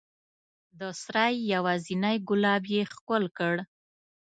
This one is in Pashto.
د سرای یوازینی ګلاب یې ښکل کړ